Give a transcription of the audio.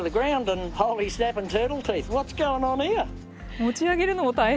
持ち上げるのも大変。